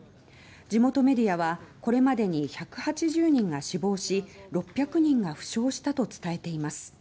地元メディアはこれまでに１８０人が死亡し６００人が負傷したと伝えています。